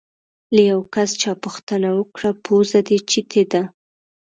له یو کس چا پوښتنه وکړه: پوزه دې چیتې ده؟